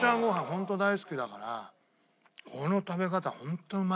ホント大好きだからこの食べ方ホントうまい。